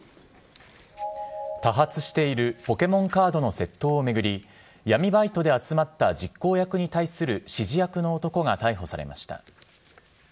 多発しているポケモンカードの窃盗を巡り闇バイトで集まった実行役に対する指示役の男が逮捕されました。